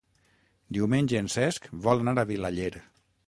Diumenge en Cesc vol anar a Vilaller.